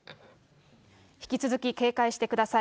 引き続き警戒してください。